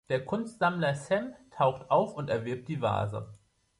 Der Kunstsammler Sam taucht auf und erwirbt die Vase.